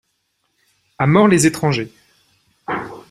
A mort les étrangers!